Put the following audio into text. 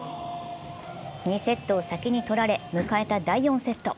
２セットを先に取られ迎えた第４セット。